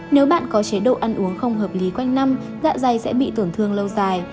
nếu bạn có chế độ ăn uống không hợp lý quanh năm dạ dày sẽ bị tổn thương lâu dài